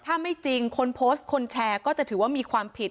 ถ้าไม่จริงคนโพสต์คนแชร์ก็จะถือว่ามีความผิด